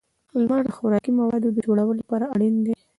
• لمر د خوراکي موادو د جوړولو لپاره اړین دی.